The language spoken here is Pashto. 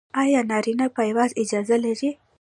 ایا نارینه پایواز اجازه لري؟